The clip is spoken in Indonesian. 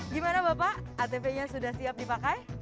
gimana bapak atv nya sudah siap dipakai